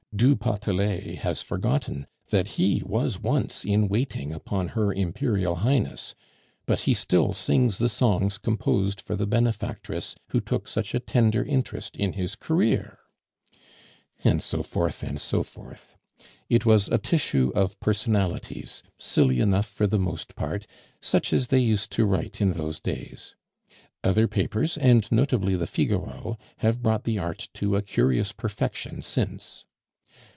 Du Potelet has forgotten that he was once in waiting upon Her Imperial Highness; but he still sings the songs composed for the benefactress who took such a tender interest in his career," and so forth and so forth. It was a tissue of personalities, silly enough for the most part, such as they used to write in those days. Other papers, and notably the Figaro, have brought the art to a curious perfection since.